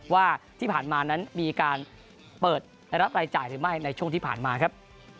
ว่าที่ผ่านมานั้นมีการเปิดรับรายจ่ายหรือไม่ในช่วงที่ผ่านมาครับ